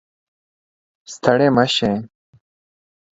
ستړی مشې